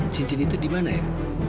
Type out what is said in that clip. cincin itu di mana ya